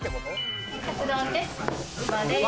カツ丼です。